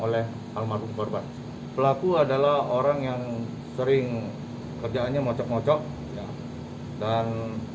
oleh almarhum korban pelaku adalah orang yang sering kerjaannya mocok ngocok dan